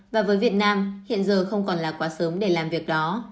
và với việt nam hiện giờ không còn là quá sớm để làm việc đó